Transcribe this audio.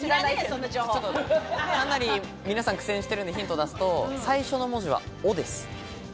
かなり皆さん苦戦しているので、ヒントを出すと、最初の文字は「お」です。